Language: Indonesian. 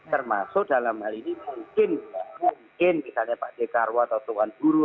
termasuk dalam hal ini mungkin mungkin misalnya pak dekarwa atau tuan bu guru